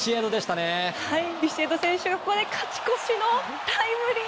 ビシエド選手がここで勝ち越しのタイムリー！